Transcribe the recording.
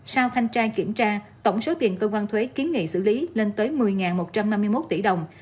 sau thanh tra kiểm tra tổng số tiền cơ quan thuế kiến nghị xử lý lên tới một mươi một trăm năm mươi một tỷ đồng